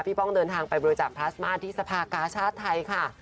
ป้องเดินทางไปบริจาคพลาสมาที่สภากาชาติไทยค่ะ